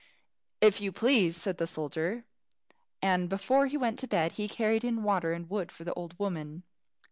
"If you please," said the soldier, and before he went to bed he carried in water and wood for the old woman.